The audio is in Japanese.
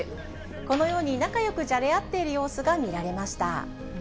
このように、仲よくじゃれ合っている様子が見られました。